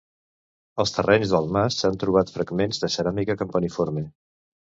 Als terrenys del mas s'han trobat fragments de ceràmica campaniforme.